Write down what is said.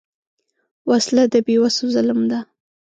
وسله د بېوسو ظلم ده